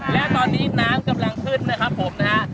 และตอนนี้น้ำกำลังขึ้นนะครับผมนะฮะ